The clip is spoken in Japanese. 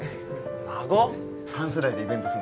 三世代でイベントすんの